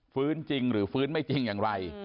จริงหรือฟื้นไม่จริงอย่างไร